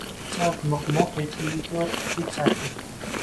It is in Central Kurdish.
پاش مقۆمقۆیەکی زۆر، پێک هاتین.